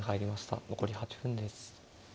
残り８分です。